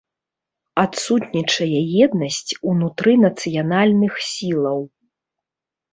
Адсутнічае еднасць унутры нацыянальных сілаў.